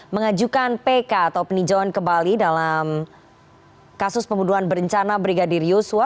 mengajukan pk atau peninjauan kembali dalam kasus pembunuhan berencana brigadir yosua